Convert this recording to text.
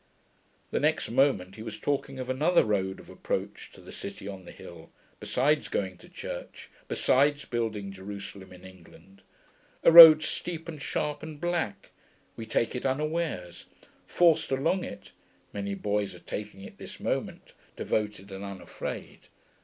The next moment he was talking of another road of approach to the city on the hill, besides going to church, besides building Jerusalem in England. A road steep and sharp and black; we take it unawares, forced along it (many boys are taking it this moment, devoted and unafraid.